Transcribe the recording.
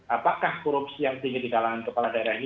apakah korupsi yang tinggi di kalangan kepala daerah ini